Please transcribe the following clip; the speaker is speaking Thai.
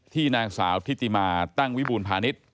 นางสาวทิติมาตั้งวิบูรพาณิชย์